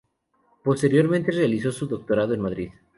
Posteriormente realizó su doctorado en Madrid.